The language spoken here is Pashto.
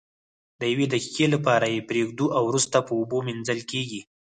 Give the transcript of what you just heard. د یوې دقیقې لپاره یې پریږدو او وروسته په اوبو مینځل کیږي.